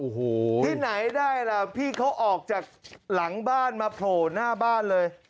โอ้โหที่ไหนได้ล่ะพี่เขาออกจากหลังบ้านมาโผล่หน้าบ้านเลย